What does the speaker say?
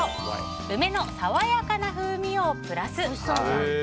梅のさわやかな風味をプラス！